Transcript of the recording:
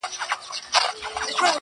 • له منظور پښتین سره دي -